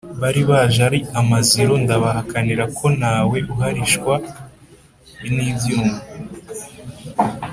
Bali baje ali amaziro, ndabahakanira ko ntawe uhalishwa n’ibyuma,